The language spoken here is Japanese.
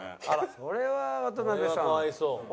それは渡辺さん。